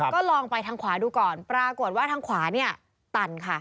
ก็ลองไปทางขวาดูก่อนปรากฏว่าทางขวาเนี่ยตันค่ะ